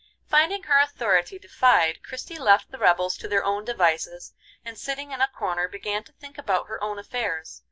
] Finding her authority defied Christie left the rebels to their own devices, and sitting in a corner, began to think about her own affairs.